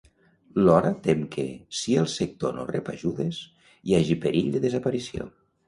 Lora tem que, si el sector no rep ajudes, hi hagi perill de desaparició.